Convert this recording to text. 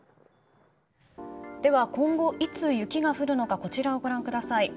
では今後、いつ雪が降るのかこちらをご覧ください。